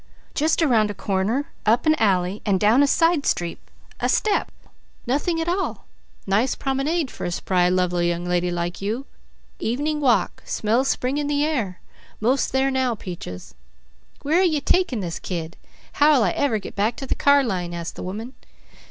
"Just around a corner, up an alley, and down a side street a step. Nothing at all! Nice promenade for a spry, lovely young lady like you. Evening walk, smell spring in the air. 'Most there now, Peaches." "Where are ye takin' this kid? How'll I ever get back to the car line?" asked the woman.